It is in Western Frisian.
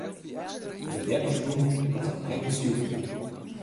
De ljeppersbûn hat in nij bestjoer.